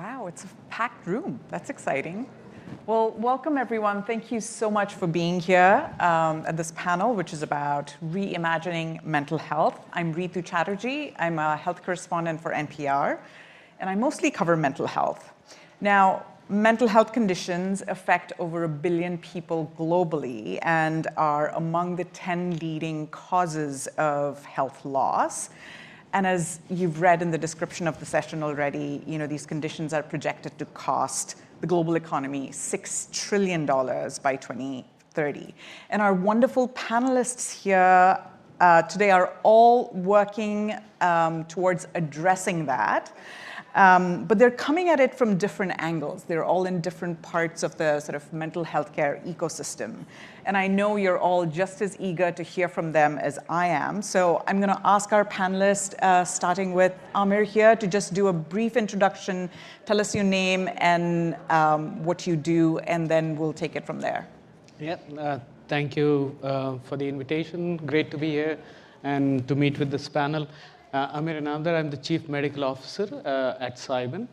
Wow, it's a packed room. That's exciting. Welcome, everyone. Thank you so much for being here at this panel, which is about reimagining mental health. I'm Ritu Chatterjee. I'm a health correspondent for NPR, and I mostly cover mental health. Now, mental health conditions affect over a billion people globally and are among the 10 leading causes of health loss. As you've read in the description of the session already, you know these conditions are projected to cost the global economy $6 trillion by 2030. Our wonderful panelists here today are all working towards addressing that. They're coming at it from different angles. They're all in different parts of the sort of mental health care ecosystem. I know you're all just as eager to hear from them as I am. I'm going to ask our panelists, starting with Amir here, to just do a brief introduction. Tell us your name and what you do, and then we'll take it from there. Yeah, thank you for the invitation. Great to be here and to meet with this panel. Amir Inamdar, I'm the Chief Medical Officer at Cybin.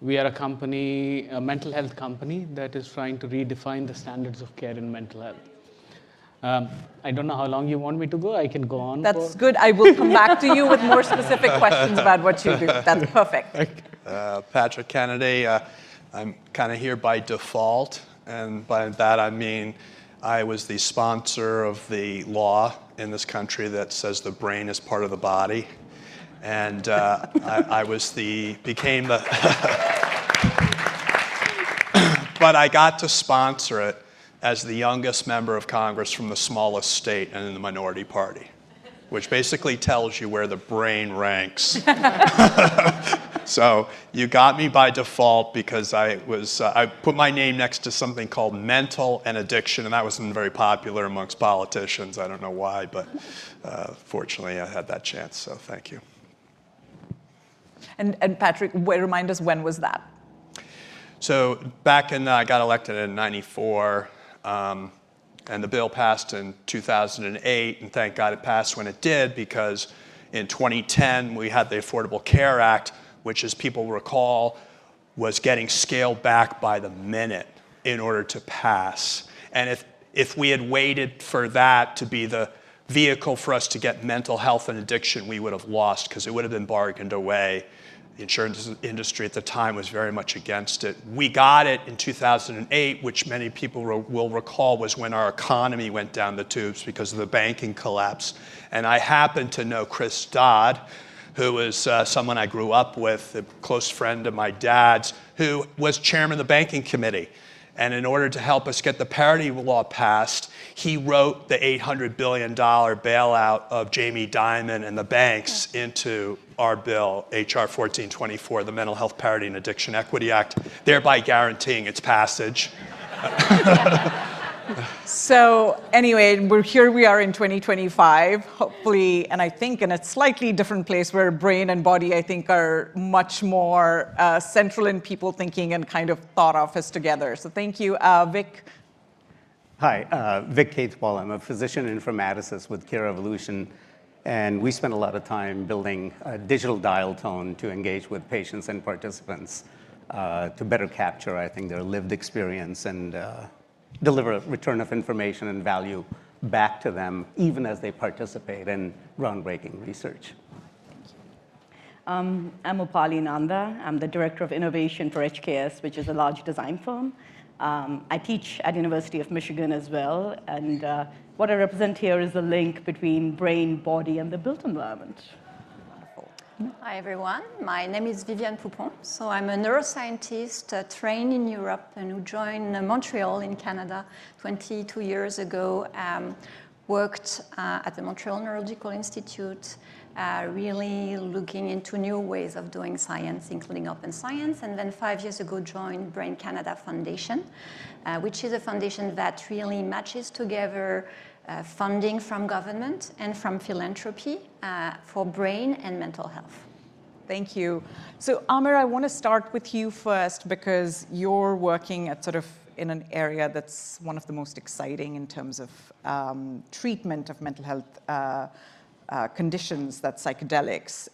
We are a company, a mental health company that is trying to redefine the standards of care in mental health. I don't know how long you want me to go. I can go on. That's good. I will come back to you with more specific questions about what you do. That's perfect. Patrick Kennedy. I'm kind of here by default. By that, I mean I was the sponsor of the law in this country that says the brain is part of the body. I became the... I got to sponsor it as the youngest member of Congress from the smallest state and in the minority party, which basically tells you where the brain ranks. You got me by default because I put my name next to something called mental and addiction. That was not very popular amongst politicians. I do not know why. Fortunately, I had that chance. Thank you. Patrick, remind us, when was that? Back in... I got elected in 1994. The bill passed in 2008. Thank God it passed when it did because in 2010, we had the Affordable Care Act, which, as people recall, was getting scaled back by the minute in order to pass. If we had waited for that to be the vehicle for us to get mental health and addiction, we would have lost because it would have been bargained away. The insurance industry at the time was very much against it. We got it in 2008, which many people will recall was when our economy went down the tubes because of the banking collapse. I happen to know Chris Dodd, who was someone I grew up with, a close friend of my dad's, who was chairman of the banking committee. In order to help us get the parity law passed, he wrote the $800 billion bailout of Jamie Dimon and the banks into our bill, H.R. 1424, the Mental Health Parity and Addiction Equity Act, thereby guaranteeing its passage. Anyway, here we are in 2025, hopefully, and I think in a slightly different place where brain and body, I think, are much more central in people thinking and kind of thought of as together. So thank you, Vic. Hi, Vic Cateswall. I'm a physician informaticist with Cure Evolution. We spend a lot of time building a digital dial tone to engage with patients and participants to better capture, I think, their lived experience and deliver a return of information and value back to them, even as they participate in groundbreaking research. Thank you. I'm Rupali Nanda. I'm the Director of Innovation for HKS, which is a large design firm. I teach at the University of Michigan as well. What I represent here is the link between brain, body, and the built environment. Wonderful. Hi, everyone. My name is Viviane Poupon. I am a neuroscientist trained in Europe and who joined Montreal in Canada 22 years ago. Worked at the Montreal Neurological Institute, really looking into new ways of doing science, including open science. Five years ago, joined Brain Canada Foundation, which is a foundation that really matches together funding from government and from philanthropy for brain and mental health. Thank you. Amir, I want to start with you first because you're working at sort of in an area that's one of the most exciting in terms of treatment of mental health conditions, that's psychedelics.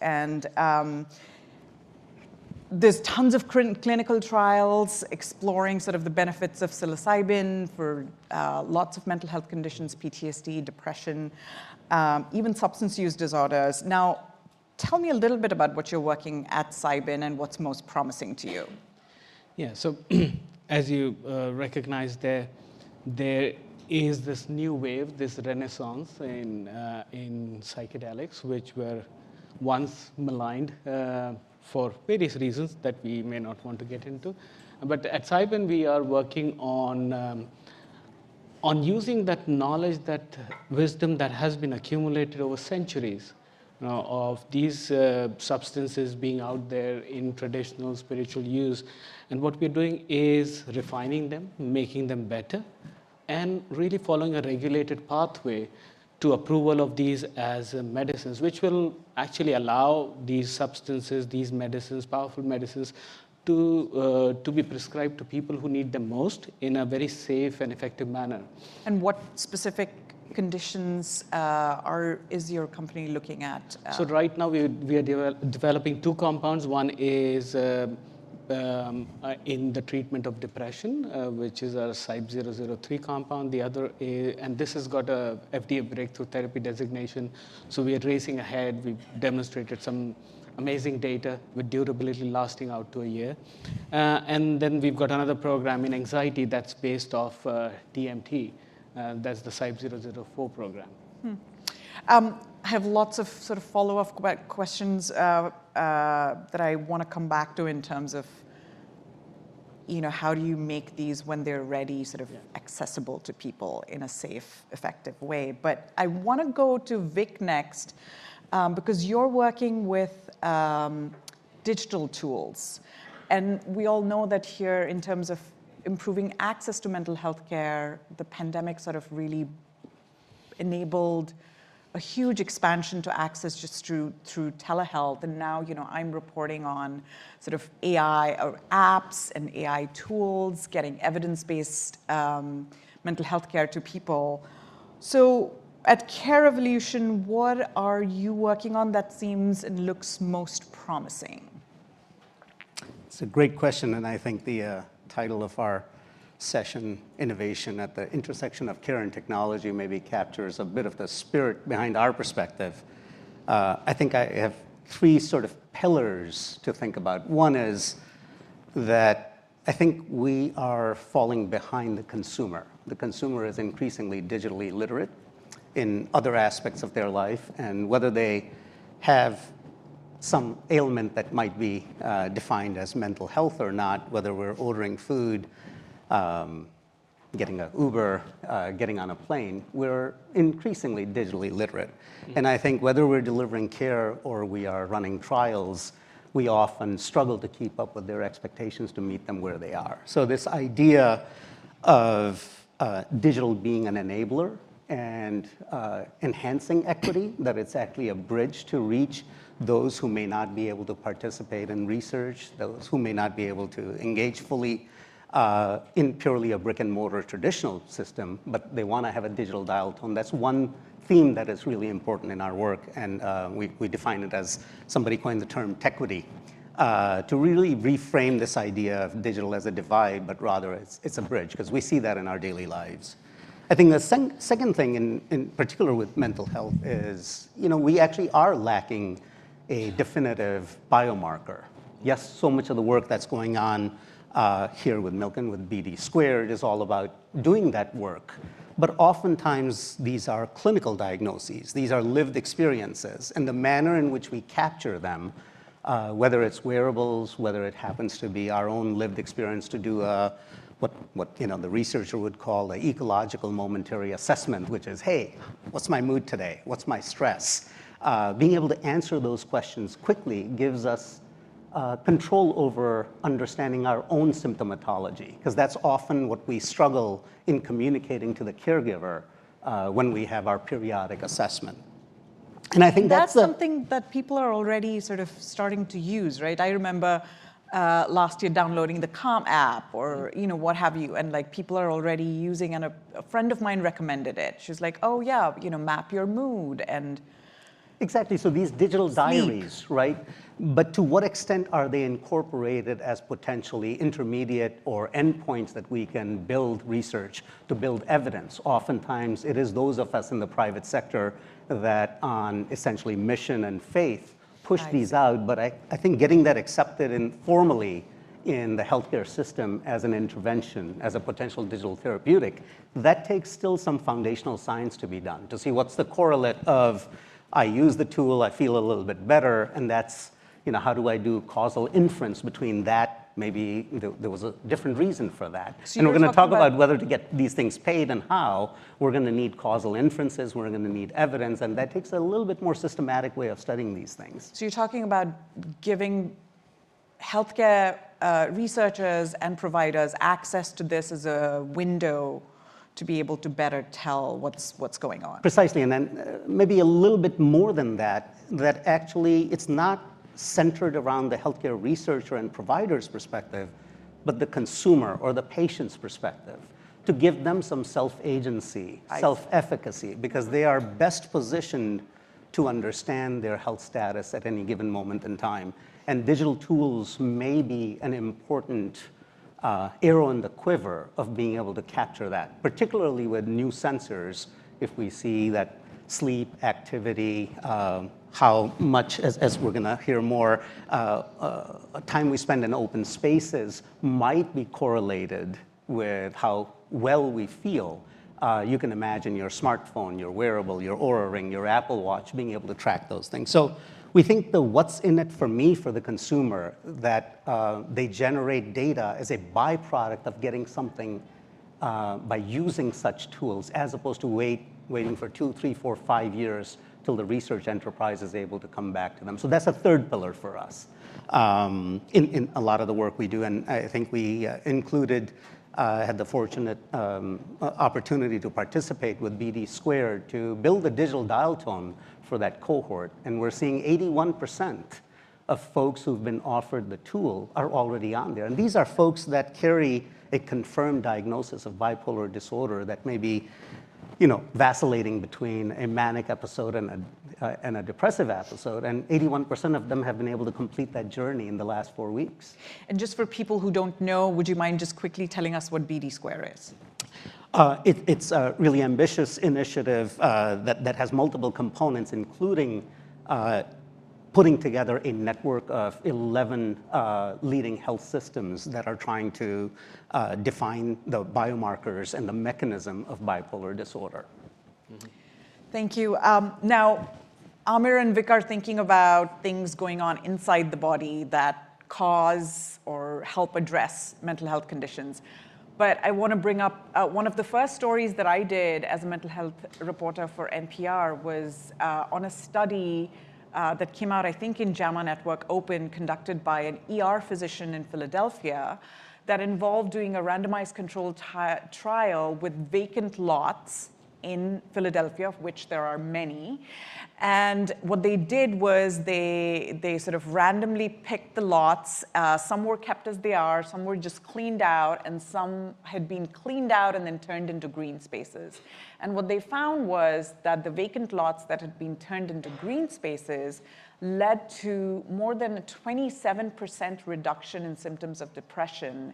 There's tons of clinical trials exploring sort of the benefits of psilocybin for lots of mental health conditions, PTSD, depression, even substance use disorders. Now, tell me a little bit about what you're working at Cybin and what's most promising to you. Yeah, so as you recognize, there is this new wave, this renaissance in psychedelics, which were once maligned for various reasons that we may not want to get into. At Cybin, we are working on using that knowledge, that wisdom that has been accumulated over centuries of these substances being out there in traditional spiritual use. What we're doing is refining them, making them better, and really following a regulated pathway to approval of these as medicines, which will actually allow these substances, these medicines, powerful medicines, to be prescribed to people who need them most in a very safe and effective manner. What specific conditions is your company looking at? Right now, we are developing two compounds. One is in the treatment of depression, which is our CYB003 compound. The other is, and this has got an FDA Breakthrough Therapy designation. We are racing ahead. We have demonstrated some amazing data with durability lasting out to a year. Then we have another program in anxiety that is based off DMT. That is the CYB004 program. I have lots of sort of follow-up questions that I want to come back to in terms of how do you make these when they're ready sort of accessible to people in a safe, effective way. I want to go to Vic next because you're working with digital tools, and we all know that here in terms of improving access to mental health care, the pandemic sort of really enabled a huge expansion to access just through telehealth. Now I'm reporting on sort of AI apps and AI tools, getting evidence-based mental health care to people. At Cure Evolution, what are you working on that seems and looks most promising? It's a great question. I think the title of our session, "Innovation at the Intersection of Care and Technology," maybe captures a bit of the spirit behind our perspective. I think I have three sort of pillars to think about. One is that I think we are falling behind the consumer. The consumer is increasingly digitally literate in other aspects of their life. Whether they have some ailment that might be defined as mental health or not, whether we're ordering food, getting an Uber, getting on a plane, we're increasingly digitally literate. I think whether we're delivering care or we are running trials, we often struggle to keep up with their expectations to meet them where they are. This idea of digital being an enabler and. Enhancing equity, that it's actually a bridge to reach those who may not be able to participate in research, those who may not be able to engage fully in purely a brick-and-mortar traditional system, but they want to have a digital dial tone. That's one theme that is really important in our work. We define it as somebody coined the term tech-weedy, to really reframe this idea of digital as a divide, but rather it's a bridge because we see that in our daily lives. I think the second thing, in particular with mental health, is we actually are lacking a definitive biomarker. Yes, so much of the work that's going on here with Milken with BD² is all about doing that work. Oftentimes, these are clinical diagnoses. These are lived experiences. The manner in which we capture them, whether it's wearables, whether it happens to be our own lived experience to do what the researcher would call an ecological momentary assessment, which is, hey, what's my mood today? What's my stress? Being able to answer those questions quickly gives us control over understanding our own symptomatology because that's often what we struggle in communicating to the caregiver when we have our periodic assessment. I think that's the. That's something that people are already sort of starting to use, right? I remember last year downloading the Calm app or what have you. People are already using it. A friend of mine recommended it. She's like, oh, yeah, map your mood. Exactly. These digital diaries, right? To what extent are they incorporated as potentially intermediate or endpoints that we can build research to build evidence? Oftentimes, it is those of us in the private sector that, on essentially mission and faith, push these out. I think getting that accepted informally in the health care system as an intervention, as a potential digital therapeutic, that takes still some foundational science to be done to see what's the correlate of I use the tool, I feel a little bit better. That's how do I do causal inference between that? Maybe there was a different reason for that. We're going to talk about whether to get these things paid and how. We're going to need causal inferences. We're going to need evidence. That takes a little bit more systematic way of studying these things. You're talking about giving health care researchers and providers access to this as a window to be able to better tell what's going on. Precisely. Maybe a little bit more than that, that actually it's not centered around the health care researcher and provider's perspective, but the consumer or the patient's perspective to give them some self-agency, self-efficacy because they are best positioned to understand their health status at any given moment in time. Digital tools may be an important arrow in the quiver of being able to capture that, particularly with new sensors. If we see that sleep, activity, how much, as we're going to hear more, time we spend in open spaces might be correlated with how well we feel. You can imagine your smartphone, your wearable, your Oura Ring, your Apple Watch being able to track those things. We think the what's in it for me for the consumer is that they generate data as a byproduct of getting something. By using such tools as opposed to waiting for two, three, four, five years till the research enterprise is able to come back to them. That is a third pillar for us. In a lot of the work we do. I think we included had the fortunate opportunity to participate with BD Squared to build a digital dial tone for that cohort. We are seeing 81% of folks who have been offered the tool are already on there. These are folks that carry a confirmed diagnosis of bipolar disorder that may be vacillating between a manic episode and a depressive episode. 81% of them have been able to complete that journey in the last four weeks. Just for people who do not know, would you mind just quickly telling us what BD² is? It's a really ambitious initiative that has multiple components, including putting together a network of 11 leading health systems that are trying to define the biomarkers and the mechanism of bipolar disorder. Thank you. Now. Amir and Vic are thinking about things going on inside the body that cause or help address mental health conditions. I want to bring up one of the first stories that I did as a mental health reporter for NPR was on a study that came out, I think, in JAMA Network Open, conducted by a physician in Philadelphia that involved doing a randomized controlled trial with vacant lots in Philadelphia, of which there are many. What they did was they sort of randomly picked the lots. Some were kept as they are. Some were just cleaned out. Some had been cleaned out and then turned into green spaces. What they found was that the vacant lots that had been turned into green spaces led to more than a 27% reduction in symptoms of depression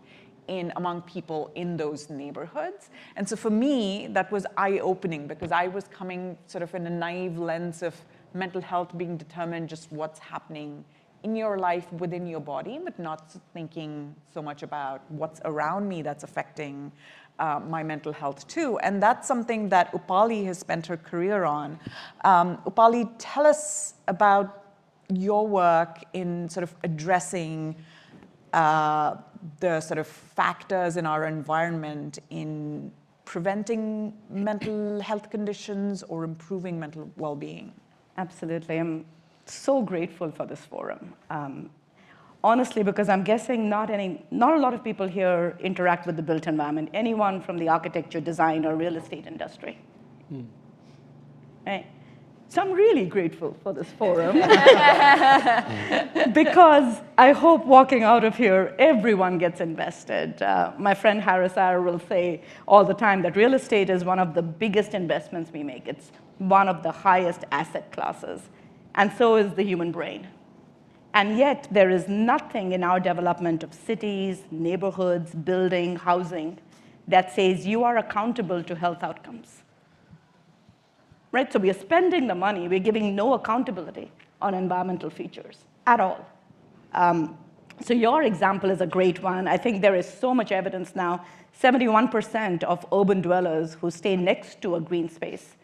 among people in those neighborhoods. For me, that was eye-opening because I was coming sort of in a naive lens of mental health being determined just what's happening in your life within your body, but not thinking so much about what's around me that's affecting my mental health too. That's something that Rupali has spent her career on. Rupali, tell us about your work in sort of addressing the sort of factors in our environment in preventing mental health conditions or improving mental well-being. Absolutely. I'm so grateful for this forum. Honestly, because I'm guessing not a lot of people here interact with the built environment, anyone from the architecture, design, or real estate industry. Right? I'm really grateful for this forum because I hope walking out of here, everyone gets invested. My friend Harris Alter will say all the time that real estate is one of the biggest investments we make. It's one of the highest asset classes. And so is the human brain. Yet, there is nothing in our development of cities, neighborhoods, building, housing that says you are accountable to health outcomes. Right? We are spending the money. We're giving no accountability on environmental features at all. Your example is a great one. I think there is so much evidence now. 71% of urban dwellers who stay next to a green space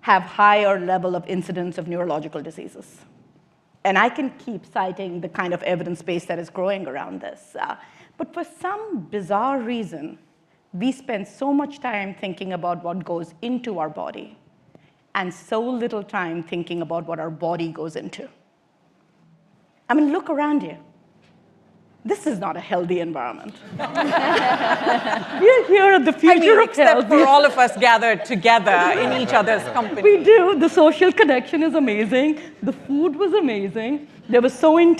have a higher level of incidence of neurological diseases. I can keep citing the kind of evidence base that is growing around this. For some bizarre reason, we spend so much time thinking about what goes into our body and so little time thinking about what our body goes into. I mean, look around you. This is not a healthy environment. You're here at the future of health. I do accept that. For all of us gathered together in each other's company. We do. The social connection is amazing. The food was amazing. There was so much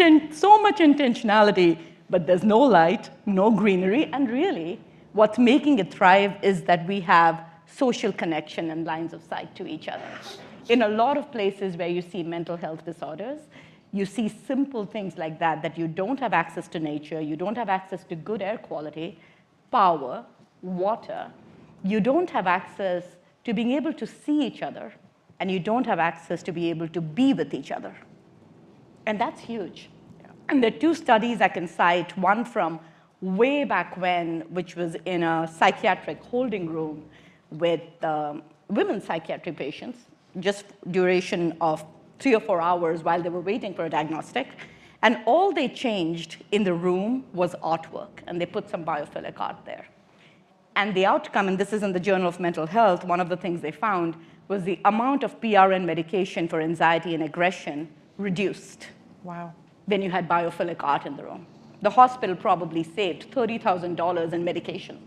intentionality. There is no light, no greenery. Really, what is making it thrive is that we have social connection and lines of sight to each other. In a lot of places where you see mental health disorders, you see simple things like that, that you do not have access to nature. You do not have access to good air quality, power, water. You do not have access to being able to see each other. You do not have access to be able to be with each other. That is huge. There are two studies I can cite, one from way back when, which was in a psychiatric holding room with women's psychiatric patients, just duration of three or four hours while they were waiting for a diagnostic. All they changed in the room was artwork. They put some biophilic art there. The outcome, and this is in the Journal of Mental Health, one of the things they found was the amount of PRN medication for anxiety and aggression reduced. Wow. When you had biophilic art in the room. The hospital probably saved $30,000 in medication.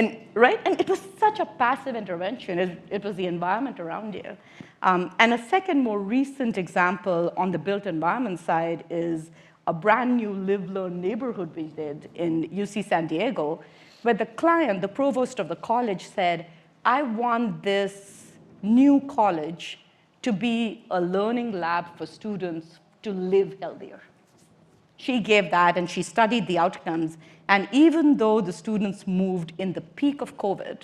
Wow. Right? It was such a passive intervention. It was the environment around you. A second more recent example on the built environment side is a brand new lived-learn neighborhood we did in UC San Diego where the client, the Provost of the college, said, I want this new college to be a learning lab for students to live healthier. She gave that. She studied the outcomes. Even though the students moved in the peak of COVID,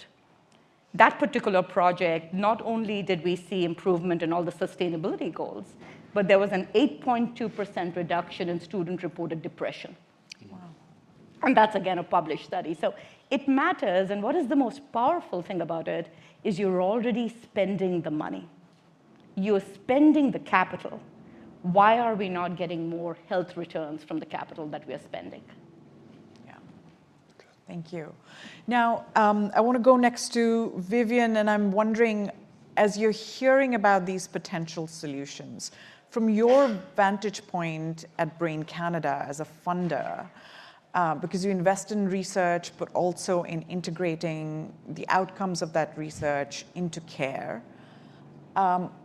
that particular project, not only did we see improvement in all the sustainability goals, but there was an 8.2% reduction in student-reported depression. Wow. That is, again, a published study. It matters. What is the most powerful thing about it is you're already spending the money. You're spending the capital. Why are we not getting more health returns from the capital that we are spending? Yeah. Thank you. Now, I want to go next to Viviane. And I'm wondering, as you're hearing about these potential solutions, from your vantage point at Brain Canada as a funder, because you invest in research, but also in integrating the outcomes of that research into care,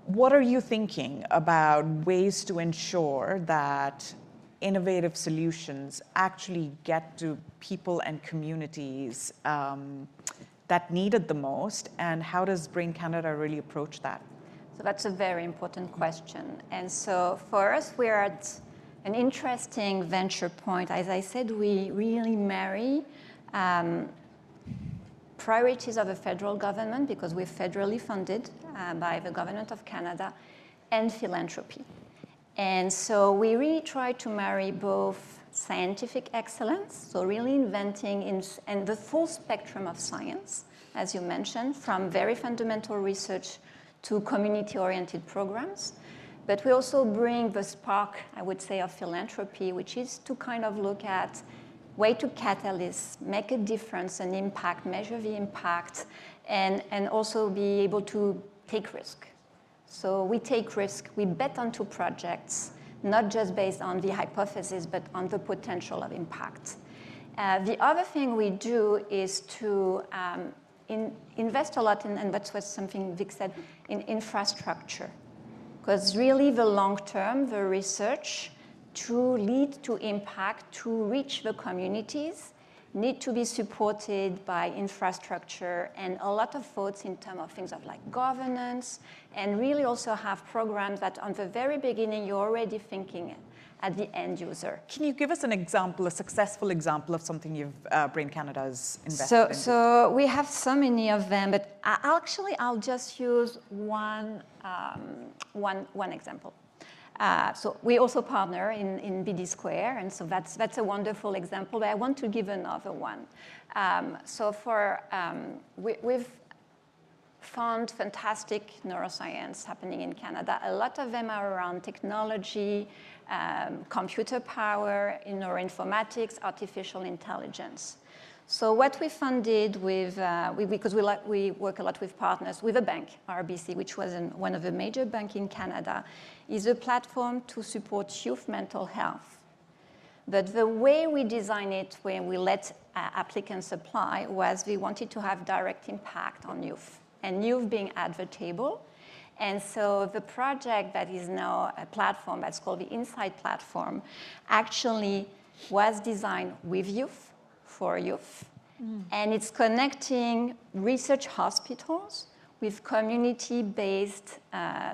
what are you thinking about ways to ensure that innovative solutions actually get to people and communities that need it the most? How does Brain Canada really approach that? That's a very important question. For us, we're at an interesting venture point. As I said, we really marry priorities of the federal government because we're federally funded by the government of Canada and philanthropy. We really try to marry both scientific excellence, so really investing in the full spectrum of science, as you mentioned, from very fundamental research to community-oriented programs. We also bring the spark, I would say, of philanthropy, which is to kind of look at where to catalyze, make a difference, and impact, measure the impact, and also be able to take risk. We take risk. We bet on projects, not just based on the hypothesis, but on the potential of impact. The other thing we do is to invest a lot in, and that was something Vic said, in infrastructure because really the long term, the research. To lead to impact, to reach the communities, need to be supported by infrastructure and a lot of thoughts in terms of things like governance and really also have programs that, on the very beginning, you're already thinking at the end user. Can you give us an example, a successful example of something you've, Brain Canada has invested in? We have so many of them. Actually, I'll just use one example. We also partner in BD², and that's a wonderful example, but I want to give another one. We've found fantastic neuroscience happening in Canada. A lot of them are around technology, computer power, neuroinformatics, artificial intelligence. What we funded with, because we work a lot with partners, with a bank, RBC, which was one of the major banks in Canada, is a platform to support youth mental health. The way we design it, when we let applicants apply, was we wanted to have direct impact on youth and youth being advertible. The project that is now a platform that's called the Insight Platform actually was designed with youth for youth, and it's connecting research hospitals with community-based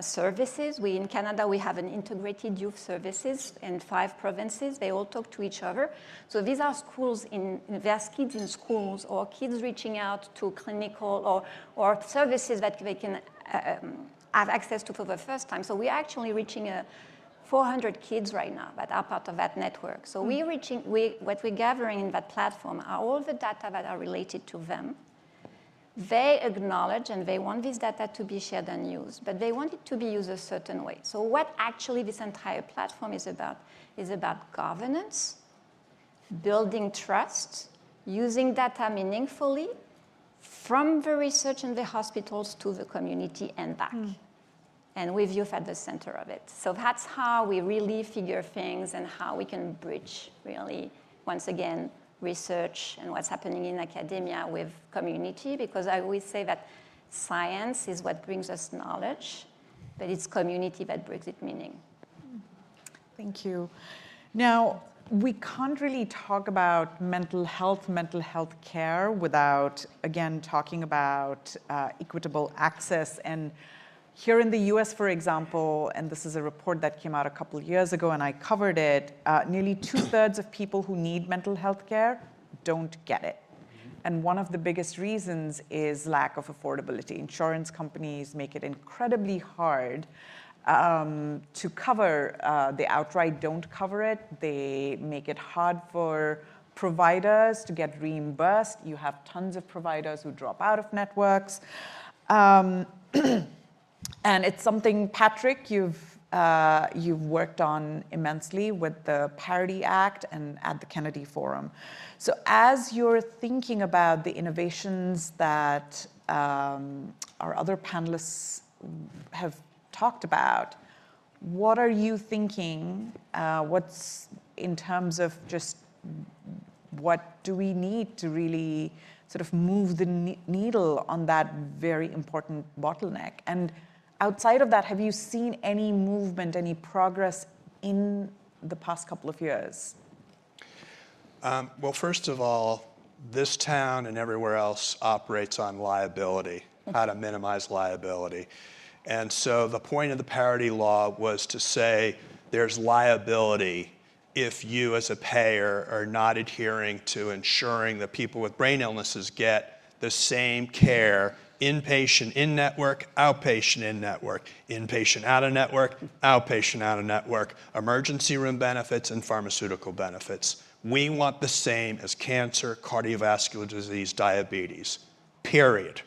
services. In Canada, we have integrated youth services in five provinces. They all talk to each other. These are schools where kids in schools or kids reaching out to clinical or services that they can have access to for the first time. We are actually reaching 400 kids right now that are part of that network. What we are gathering in that platform are all the data that are related to them. They acknowledge and they want this data to be shared and used. They want it to be used a certain way. What this entire platform is about is governance. Building trust, using data meaningfully. From the research in the hospitals to the community and back. With youth at the center of it. That's how we really figure things and how we can bridge, really, once again, research and what's happening in academia with community because I always say that science is what brings us knowledge, but it's community that brings it meaning. Thank you. Now, we can't really talk about mental health, mental health care without, again, talking about equitable access. Here in the U.S., for example, and this is a report that came out a couple of years ago, and I covered it, nearly two-thirds of people who need mental health care don't get it. One of the biggest reasons is lack of affordability. Insurance companies make it incredibly hard to cover. They outright don't cover it. They make it hard for providers to get reimbursed. You have tons of providers who drop out of networks. It's something, Patrick, you've worked on immensely with the Parity Act and at the Kennedy Forum. As you're thinking about the innovations that our other panelists have talked about, what are you thinking? What's in terms of just. What do we need to really sort of move the needle on that very important bottleneck? Outside of that, have you seen any movement, any progress in the past couple of years? First of all, this town and everywhere else operates on liability, how to minimize liability. The point of the Parity Law was to say there is liability if you, as a payer, are not adhering to ensuring that people with brain illnesses get the same care inpatient in network, outpatient in network, inpatient out of network, outpatient out of network, emergency room benefits, and pharmaceutical benefits. We want the same as cancer, cardiovascular disease, diabetes, period.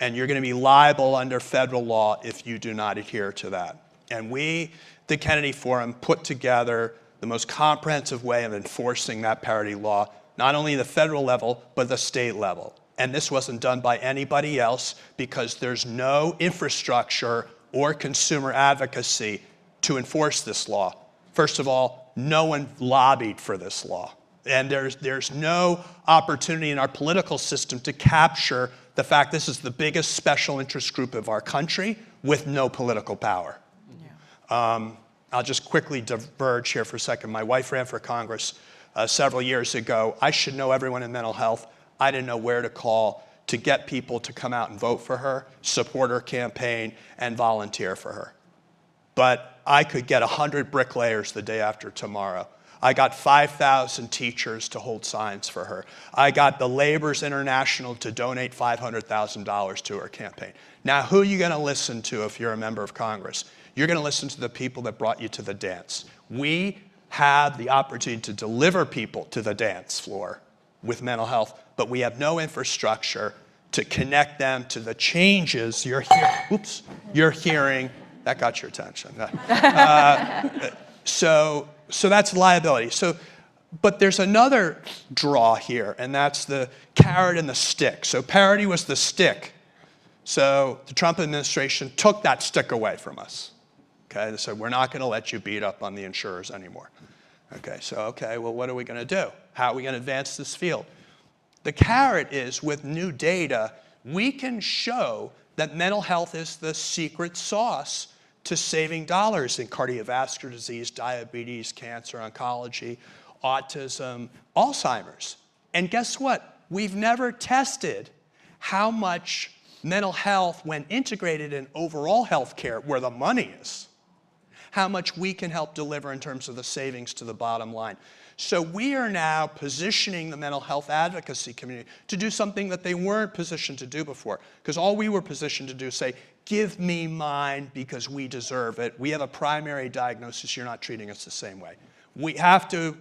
You are going to be liable under federal law if you do not adhere to that. We, the Kennedy Forum, put together the most comprehensive way of enforcing that Parity Law, not only at the federal level, but the state level. This was not done by anybody else because there is no infrastructure or consumer advocacy to enforce this law. First of all, no one lobbied for this law. There is no opportunity in our political system to capture the fact this is the biggest special interest group of our country with no political power. I'll just quickly diverge here for a second. My wife ran for Congress several years ago. I should know everyone in mental health. I did not know where to call to get people to come out and vote for her, support her campaign, and volunteer for her. I could get 100 bricklayers the day after tomorrow. I got 5,000 teachers to hold signs for her. I got the Laborers International to donate $500,000 to her campaign. Now, who are you going to listen to if you are a member of Congress? You are going to listen to the people that brought you to the dance. We have the opportunity to deliver people to the dance floor with mental health, but we have no infrastructure to connect them to the changes you're hearing. Oops. You're hearing. That got your attention. That's liability. There is another draw here. That's the carrot and the stick. Parity was the stick. The Trump administration took that stick away from us. They said, we're not going to let you beat up on the insurers anymore. What are we going to do? How are we going to advance this field? The carrot is, with new data, we can show that mental health is the secret sauce to saving dollars in cardiovascular disease, diabetes, cancer, oncology, autism, Alzheimer's. And guess what? We've never tested how much mental health, when integrated in overall health care, where the money is, how much we can help deliver in terms of the savings to the bottom line. We are now positioning the mental health advocacy community to do something that they weren't positioned to do before because all we were positioned to do is say, give me mine because we deserve it. We have a primary diagnosis. You're not treating us the same way. We have to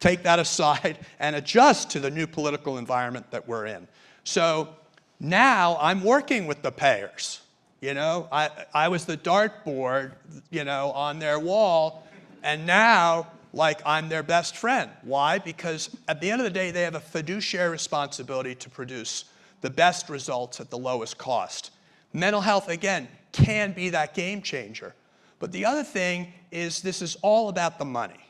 take that aside and adjust to the new political environment that we're in. Now I'm working with the payers. I was the dartboard on their wall. Now, like, I'm their best friend. Why? Because at the end of the day, they have a fiduciary responsibility to produce the best results at the lowest cost. Mental health, again, can be that game changer. The other thing is this is all about the money.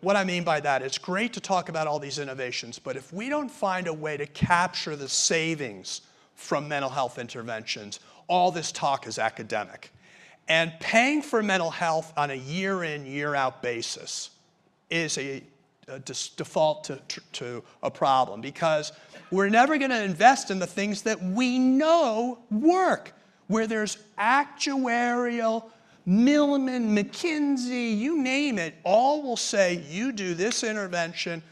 What I mean by that, it's great to talk about all these innovations. If we don't find a way to capture the savings from mental health interventions, all this talk is academic. Paying for mental health on a year-in, year-out basis is a default to a problem because we're never going to invest in the things that we know work. Where there's actuarial. Milliman, McKinsey, you name it, all will say, you do this intervention,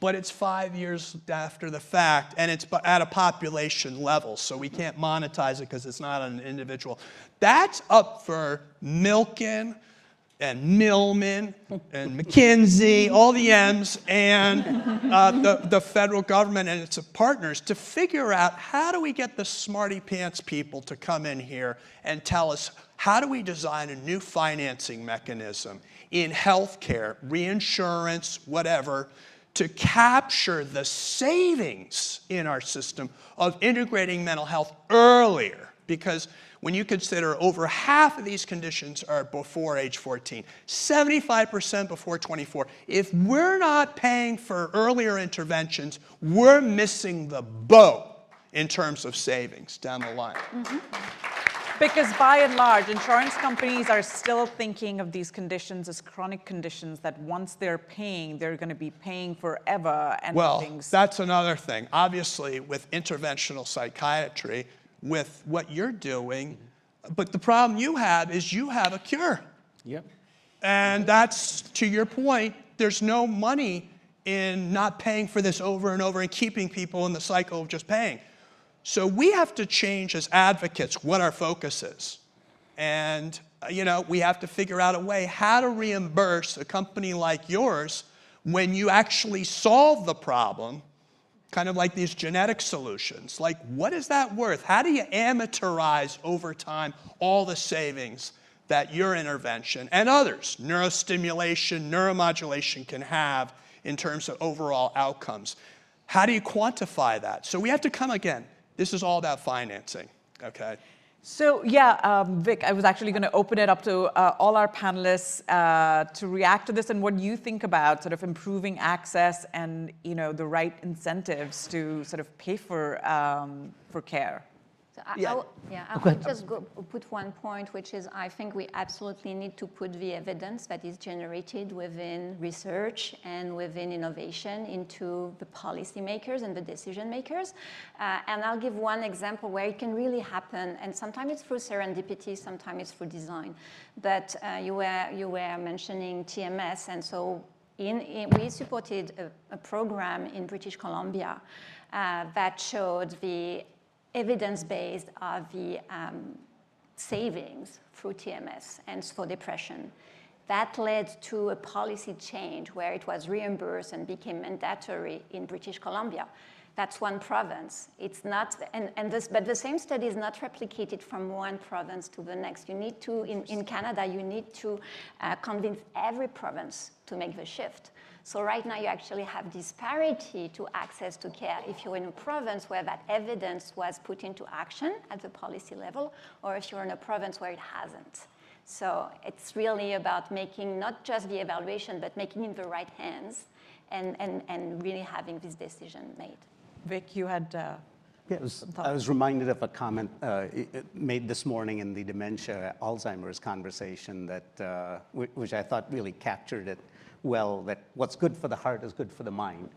but it's five years after the fact. It's at a population level. We can't monetize it because it's not on an individual. That's up for Milken. Milliman and McKinsey, all the Ms. The federal government and its partners to figure out how do we get the smarty pants people to come in here and tell us how do we design a new financing mechanism in health care, reinsurance, whatever, to capture the savings in our system of integrating mental health earlier? Because when you consider over half of these conditions are before age 14, 75% before 24, if we're not paying for earlier interventions, we're missing the boat in terms of savings down the line. Because by and large, insurance companies are still thinking of these conditions as chronic conditions that once they're paying, they're going to be paying forever and things. That's another thing. Obviously, with interventional psychiatry, with what you're doing, but the problem you have is you have a cure. Yep. To your point, there is no money in not paying for this over and over and keeping people in the cycle of just paying. We have to change as advocates what our focus is. We have to figure out a way how to reimburse a company like yours when you actually solve the problem, kind of like these genetic solutions. What is that worth? How do you amortize over time all the savings that your intervention and others, neurostimulation, neuromodulation, can have in terms of overall outcomes? How do you quantify that? We have to come again, this is all about financing. OK? Yeah, Vic, I was actually going to open it up to all our panelists to react to this and what you think about sort of improving access and the right incentives to pay for care. Yeah. I'll just put one point, which is I think we absolutely need to put the evidence that is generated within research and within innovation into the policymakers and the decision makers. I'll give one example where it can really happen. Sometimes it's through serendipity. Sometimes it's through design. You were mentioning TMS. We supported a program in British Columbia that showed the evidence base of the savings through TMS and for depression. That led to a policy change where it was reimbursed and became mandatory in British Columbia. That's one province. The same study is not replicated from one province to the next. In Canada, you need to convince every province to make the shift. Right now, you actually have disparity to access to care if you're in a province where that evidence was put into action at the policy level or if you're in a province where it hasn't. It's really about making not just the evaluation, but making it in the right hands and really having this decision made. Vic, you had. Yeah, I was reminded of a comment made this morning in the dementia/Alzheimer's conversation. Which I thought really captured it well, that what's good for the heart is good for the mind.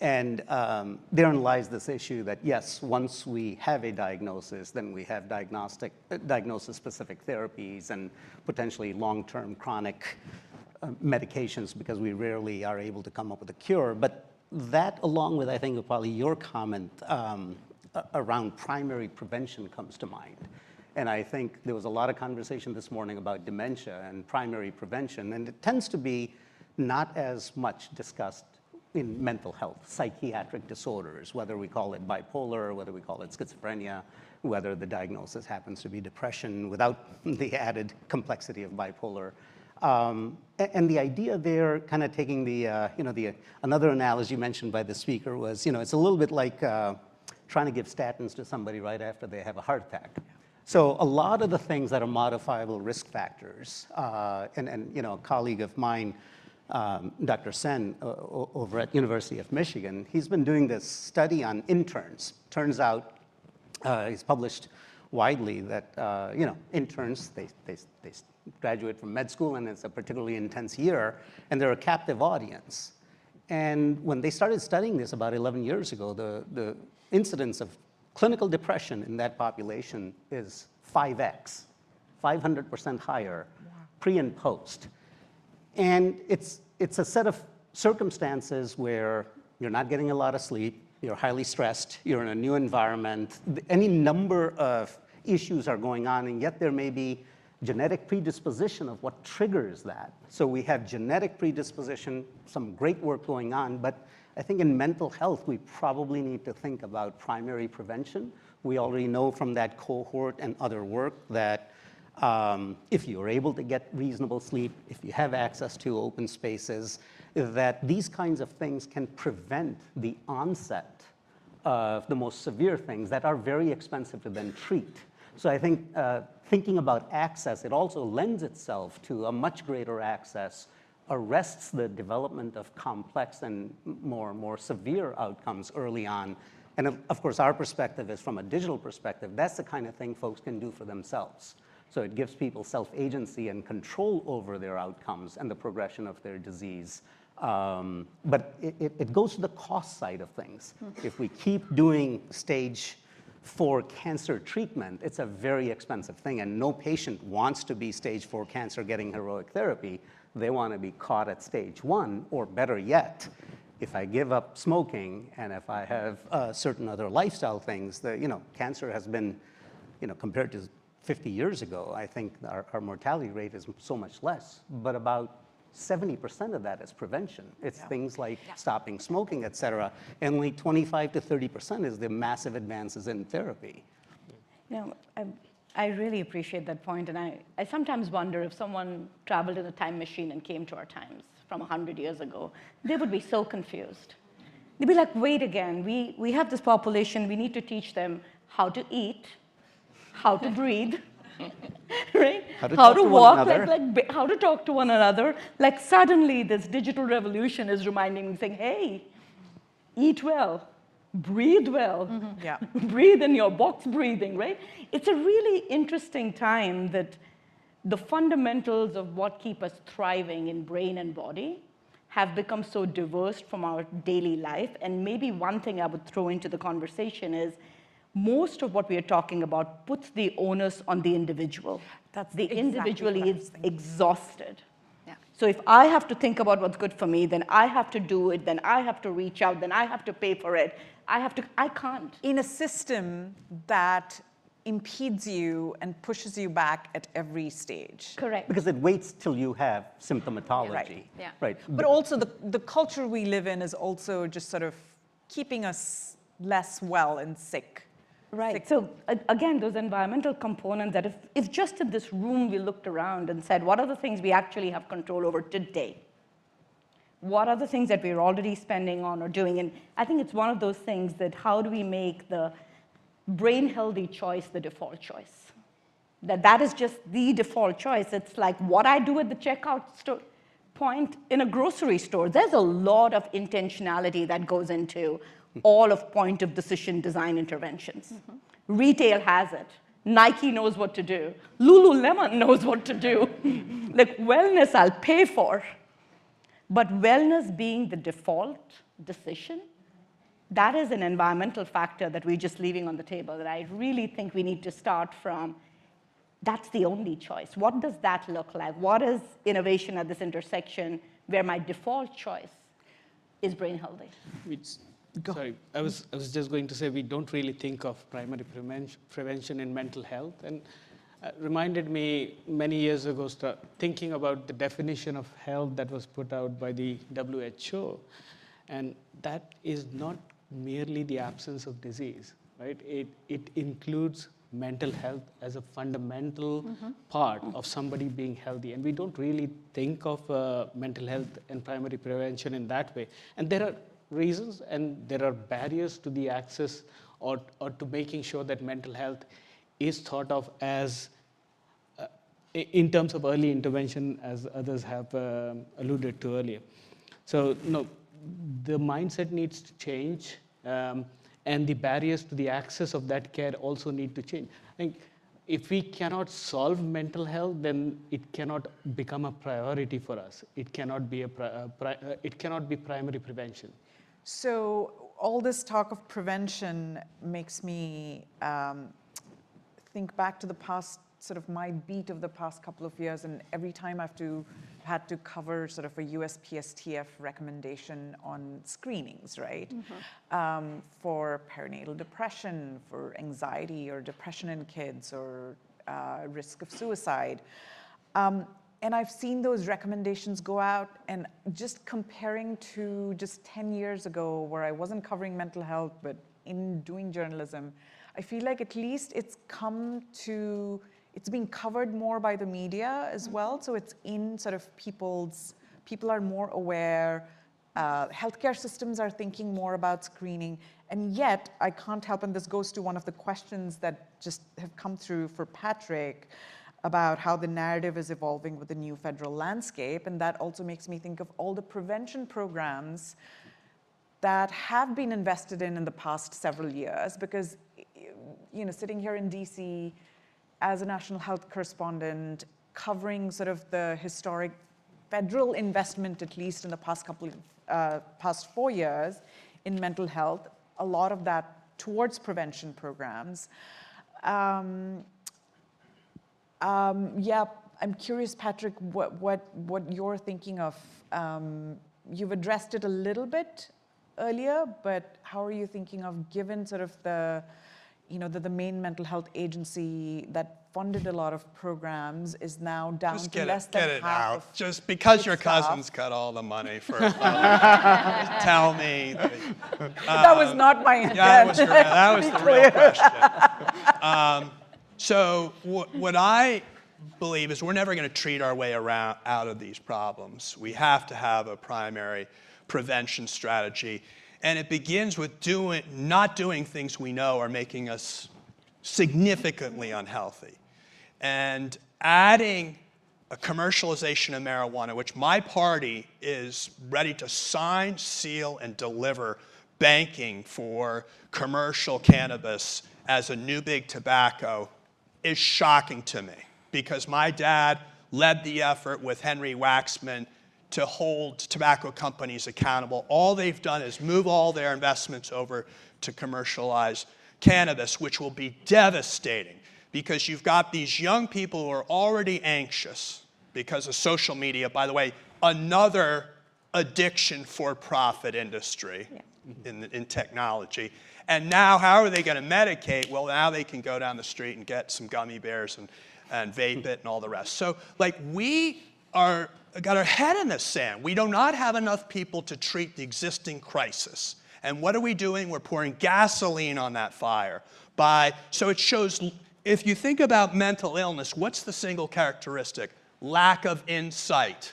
Therein lies this issue that, yes, once we have a diagnosis, then we have diagnosis-specific therapies and potentially long-term chronic medications because we rarely are able to come up with a cure. That, along with, I think, probably your comment around primary prevention comes to mind. I think there was a lot of conversation this morning about dementia and primary prevention. It tends to be not as much discussed in mental health, psychiatric disorders, whether we call it bipolar, whether we call it schizophrenia, whether the diagnosis happens to be depression without the added complexity of bipolar. The idea there, kind of taking the. Another analogy mentioned by the speaker was it's a little bit like trying to give statins to somebody right after they have a heart attack. A lot of the things that are modifiable risk factors, and a colleague of mine, Dr. Sen over at the University of Michigan, he's been doing this study on interns. Turns out, it's published widely that interns, they graduate from med school, and it's a particularly intense year. They're a captive audience. When they started studying this about 11 years ago, the incidence of clinical depression in that population is 5x, 500% higher pre and post. It's a set of circumstances where you're not getting a lot of sleep, you're highly stressed, you're in a new environment, any number of issues are going on. Yet there may be genetic predisposition of what triggers that. We have genetic predisposition, some great work going on. I think in mental health, we probably need to think about primary prevention. We already know from that cohort and other work that if you are able to get reasonable sleep, if you have access to open spaces, that these kinds of things can prevent the onset of the most severe things that are very expensive to then treat. I think thinking about access, it also lends itself to a much greater access, arrests the development of complex and more severe outcomes early on. Of course, our perspective is from a digital perspective, that's the kind of thing folks can do for themselves. It gives people self-agency and control over their outcomes and the progression of their disease. It goes to the cost side of things. If we keep doing stage four cancer treatment, it's a very expensive thing. No patient wants to be stage four cancer getting heroic therapy. They want to be caught at stage one or better yet, if I give up smoking and if I have certain other lifestyle things, cancer has been, compared to 50 years ago, I think our mortality rate is so much less. About 70% of that is prevention. It's things like stopping smoking, et cetera. Only 25%-30% is the massive advances in therapy. Now, I really appreciate that point. I sometimes wonder if someone traveled in a time machine and came to our times from 100 years ago, they would be so confused. They'd be like, wait again. We have this population. We need to teach them how to eat, how to breathe, right? How to talk to one another. Like, suddenly, this digital revolution is reminding me, saying, hey. Eat well. Breathe well. Breathe in your box breathing, right? It's a really interesting time that the fundamentals of what keep us thriving in brain and body have become so diverse from our daily life. Maybe one thing I would throw into the conversation is most of what we are talking about puts the onus on the individual. The individual is exhausted. If I have to think about what's good for me, then I have to do it. I have to reach out. Then I have to pay for it. I can't. In a system that impedes you and pushes you back at every stage. Correct. Because it waits till you have symptomatology. Right. Also, the culture we live in is also just sort of keeping us less well and sick. Right. Again, those environmental components that if just in this room we looked around and said, what are the things we actually have control over today? What are the things that we are already spending on or doing? I think it's one of those things that, how do we make the brain-healthy choice the default choice? That is just the default choice. It's like what I do at the checkout point in a grocery store. There's a lot of intentionality that goes into all of point of decision design interventions. Retail has it. Nike knows what to do. Lululemon knows what to do. Wellness, I'll pay for. Wellness being the default decision, that is an environmental factor that we're just leaving on the table. I really think we need to start from, that's the only choice. What does that look like? What is innovation at this intersection where my default choice is brain-healthy? Sorry. I was just going to say we do not really think of primary prevention in mental health. It reminded me many years ago to think about the definition of health that was put out by the WHO. That is not merely the absence of disease. It includes mental health as a fundamental part of somebody being healthy. We do not really think of mental health and primary prevention in that way. There are reasons and there are barriers to the access or to making sure that mental health is thought of as, in terms of early intervention, as others have alluded to earlier. The mindset needs to change. The barriers to the access of that care also need to change. I think if we cannot solve mental health, then it cannot become a priority for us. It cannot be a primary prevention. All this talk of prevention makes me think back to the past, sort of my beat of the past couple of years. Every time I had to cover sort of a USPSTF recommendation on screenings for perinatal depression, for anxiety or depression in kids, or risk of suicide. I have seen those recommendations go out. Just comparing to just 10 years ago, where I was not covering mental health, but in doing journalism, I feel like at least it has come to, it has been covered more by the media as well. It is in sort of people's, people are more aware. Health care systems are thinking more about screening. Yet I cannot help, and this goes to one of the questions that just have come through for Patrick about how the narrative is evolving with the new federal landscape. That also makes me think of all the prevention programs that have been invested in in the past several years. Because sitting here in DC as a national health correspondent, covering sort of the historic federal investment, at least in the past four years in mental health, a lot of that towards prevention programs. Yeah, I'm curious, Patrick, what you're thinking of. You've addressed it a little bit earlier. How are you thinking of, given sort of the main mental health agency that funded a lot of programs is now down to less than half? Just because your cousins cut all the money for. Tell me. That was not my intention. That was the real question. What I believe is we're never going to treat our way out of these problems. We have to have a primary prevention strategy. It begins with not doing things we know are making us significantly unhealthy. Adding a commercialization of marijuana, which my party is ready to sign, seal, and deliver banking for commercial cannabis as a new big tobacco, is shocking to me. My dad led the effort with Henry Waxman to hold tobacco companies accountable. All they've done is move all their investments over to commercialize cannabis, which will be devastating. You've got these young people who are already anxious because of social media, by the way, another addiction for profit industry in technology. Now how are they going to medicate? Now they can go down the street and get some gummy bears and vape it and all the rest. We got our head in the sand. We do not have enough people to treat the existing crisis. What are we doing? We're pouring gasoline on that fire. It shows, if you think about mental illness, what's the single characteristic? Lack of insight.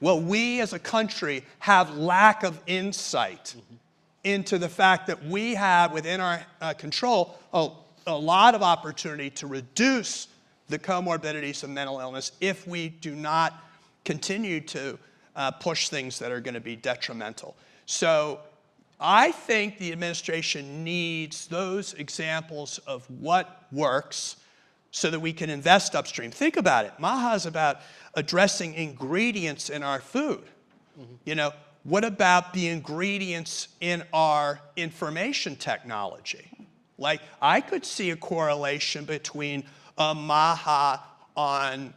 We as a country have lack of insight into the fact that we have within our control a lot of opportunity to reduce the comorbidities of mental illness if we do not continue to push things that are going to be detrimental. I think the administration needs those examples of what works so that we can invest upstream. Think about it. MAHA is about addressing ingredients in our food. What about the ingredients in our information technology? I could see a correlation between a MAHA on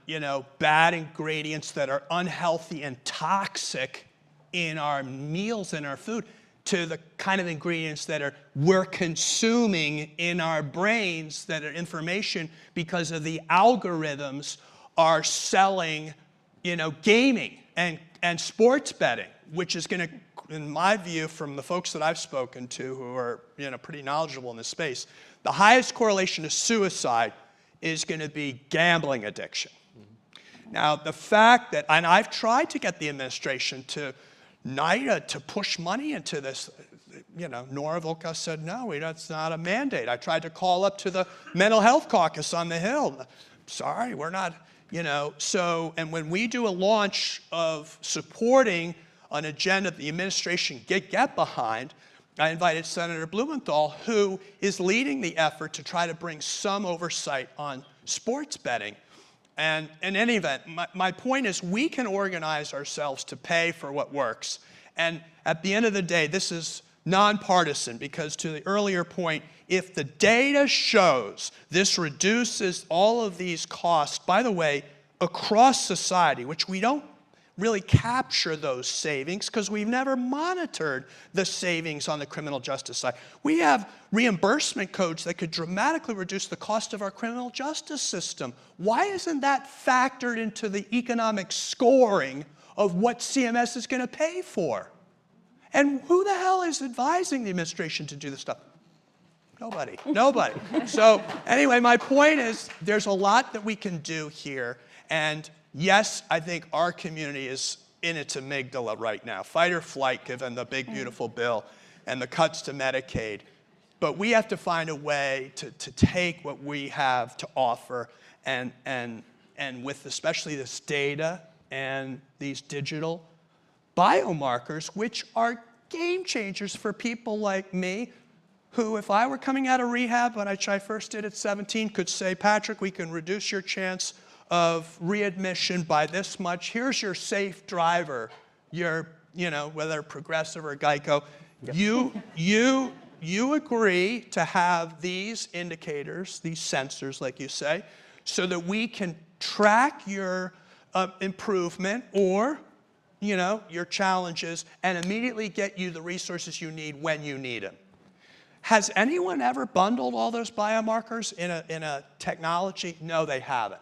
bad ingredients that are unhealthy and toxic in our meals and our food to the kind of ingredients that we're consuming in our brains that are information because of the algorithms are selling. Gaming and sports betting, which is going to, in my view, from the folks that I've spoken to who are pretty knowledgeable in this space, the highest correlation to suicide is going to be gambling addiction. Now, the fact that, and I've tried to get the administration to push money into this. Norilka said, no, it's not a mandate. I tried to call up to the mental health caucus on the Hill. Sorry, we're not. When we do a launch of supporting an agenda that the administration get behind, I invited Senator Blumenthal, who is leading the effort to try to bring some oversight on sports betting. In any event, my point is we can organize ourselves to pay for what works. At the end of the day, this is nonpartisan. Because to the earlier point, if the data shows this reduces all of these costs, by the way, across society, which we do not really capture those savings because we have never monitored the savings on the criminal justice side, we have reimbursement codes that could dramatically reduce the cost of our criminal justice system. Why is not that factored into the economic scoring of what CMS is going to pay for? And who the hell is advising the administration to do this stuff? Nobody. Nobody. Anyway, my point is there is a lot that we can do here. Yes, I think our community is in its amygdala right now, fight or flight, given the big, beautiful bill and the cuts to Medicaid. We have to find a way to take what we have to offer. With especially this data and these digital biomarkers, which are game changers for people like me, who if I were coming out of rehab, when I first did it at 17, could say, Patrick, we can reduce your chance of readmission by this much. Here is your safe driver, whether Progressive or Geico. You agree to have these indicators, these sensors, like you say, so that we can track your improvement or your challenges and immediately get you the resources you need when you need them. Has anyone ever bundled all those biomarkers in a technology? No, they have not.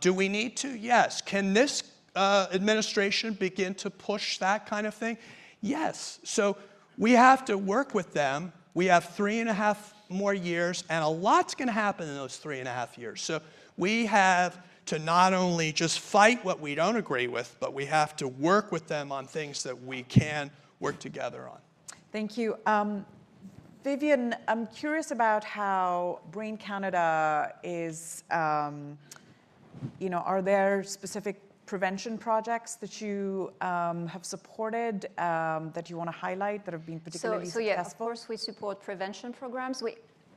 Do we need to? Yes. Can this administration begin to push that kind of thing? Yes. We have to work with them. We have three and a half more years. A lot's going to happen in those three and a half years. We have to not only just fight what we do not agree with, but we have to work with them on things that we can work together on. Thank you. Viviane, I'm curious about how Brain Canada is. Are there specific prevention projects that you have supported that you want to highlight that have been particularly successful? Yeah, of course, we support prevention programs.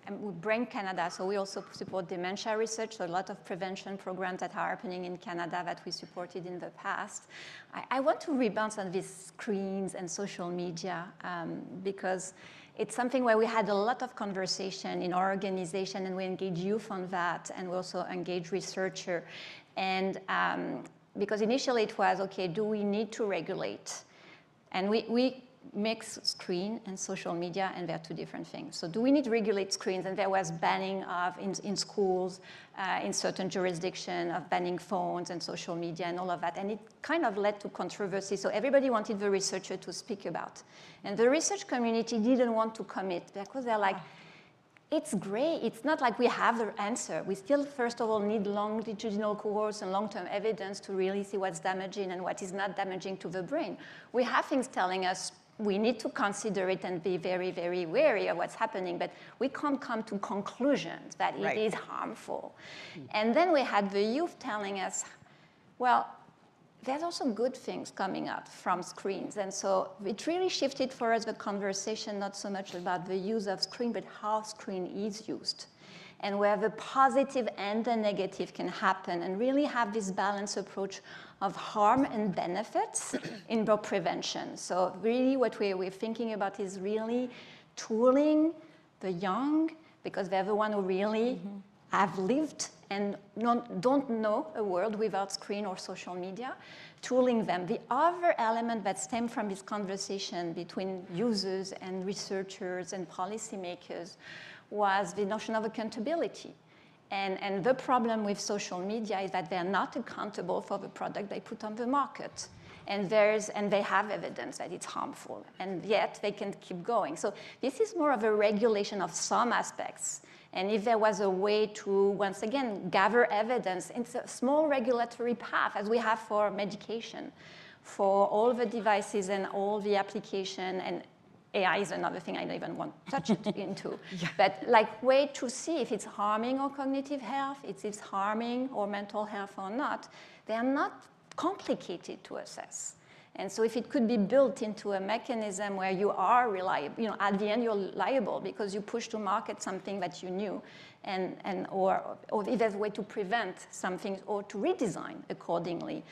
And with Brain Canada, we also support dementia research. A lot of prevention programs are happening in Canada that we supported in the past. I want to rebound on these screens and social media because it's something where we had a lot of conversation in our organization. We engage youth on that, and we also engage researchers. Because initially it was, OK, do we need to regulate? We mix screen and social media, and they're two different things. Do we need to regulate screens? There was banning in schools, in certain jurisdictions, of banning phones and social media and all of that. It kind of led to controversy. Everybody wanted the researcher to speak about it, and the research community did not want to commit because they're like, it's great. It's not like we have the answer. We still, first of all, need longitudinal cohorts and long-term evidence to really see what's damaging and what is not damaging to the brain. We have things telling us we need to consider it and be very, very wary of what's happening. We can't come to conclusions that it is harmful. We had the youth telling us there are also good things coming out from screens. It really shifted for us the conversation, not so much about the use of screen, but how screen is used. Where the positive and the negative can happen. We really have this balanced approach of harm and benefits in the prevention. What we're thinking about is really tooling the young. Because they're the ones who really have lived and do not know a world without screen or social media, tooling them. The other element that stemmed from this conversation between users and researchers and policymakers was the notion of accountability. The problem with social media is that they're not accountable for the product they put on the market. They have evidence that it's harmful, and yet they can keep going. This is more of a regulation of some aspects. If there was a way to, once again, gather evidence, it's a small regulatory path, as we have for medication, for all the devices and all the applications. AI is another thing I do not even want to touch into. Like a way to see if it's harming our cognitive health, if it's harming our mental health or not, they are not complicated to assess. If it could be built into a mechanism where you are reliable, at the end, you're liable because you pushed to market something that you knew. And/or if there's a way to prevent something or to redesign accordingly.